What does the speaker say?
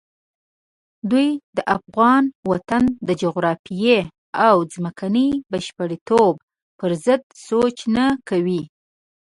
دوی د افغان وطن د جغرافیې او ځمکني بشپړتوب پرضد سوچ نه کوي.